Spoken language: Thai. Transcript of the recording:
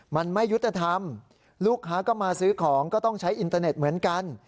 มันไม่ยุติธรรมลูกค้าก็มาซื้อของก็ต้องใช้อินเตอร์เน็ตเหมือนกัน